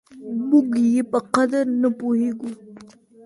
موږ يې په قدر نه پوهېږو.